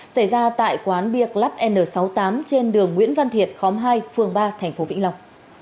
xảy ra tại quán bia club n sáu mươi tám trên đường nguyễn văn thiệt khóm hai phường ba tp vĩnh long